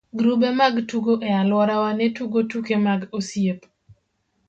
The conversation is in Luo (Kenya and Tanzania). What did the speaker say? grube mag tugo e alworawa ne tugo tuke mag osiep.